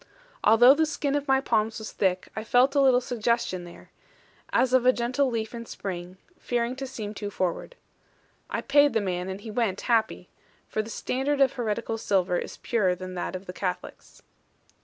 Although the skin of my palms was thick, I felt a little suggestion there, as of a gentle leaf in spring, fearing to seem too forward. I paid the man, and he went happy; for the standard of heretical silver is purer than that of the Catholics.